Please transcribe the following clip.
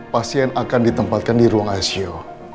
pasien akan ditempatkan di ruang icu